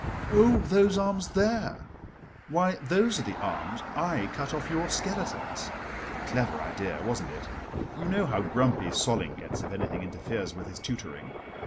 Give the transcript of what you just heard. Oh, those arms there? Why, those are the arms I cut off your skeletons. Clever idea, wasn't it? You know how grumpy Solling gets if anything interferes with his tutoring.